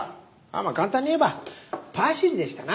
簡単に言えばパシリでしたな。